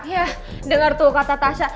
yah denger tuh kata tasya